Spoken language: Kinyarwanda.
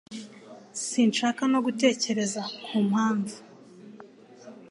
Sinshaka no gutekereza ku mpamvu.